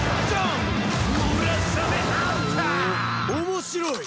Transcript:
面白い！